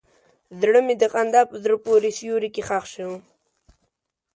زړه مې د خندا په زړه پورې سیوري کې ښخ شو.